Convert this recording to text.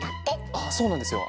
ああそうなんですよ。